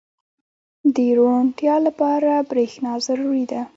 • د روڼتیا لپاره برېښنا ضروري ده.